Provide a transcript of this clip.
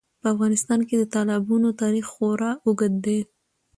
په افغانستان کې د تالابونو تاریخ خورا اوږد دی.